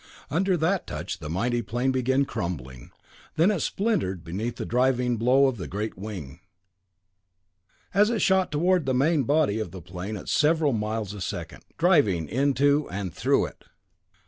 Under that touch the mighty plane began crumbling, then it splintered beneath the driving blow of the great wing, as it shot toward the main body of the plane at several miles a second driving into and through it!